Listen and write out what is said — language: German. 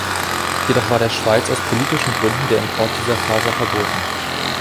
Jedoch war der Schweiz aus politischen Gründen der Import dieser Faser verboten.